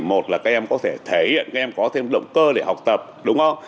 một là các em có thể thể hiện các em có thêm động cơ để học tập đúng không